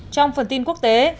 trong phần tin quốc tế